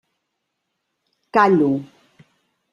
Callo.